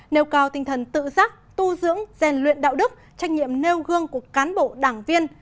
nêu cao tinh thần tự giác tu dưỡng rèn luyện đạo đức trách nhiệm nêu gương của cán bộ đảng viên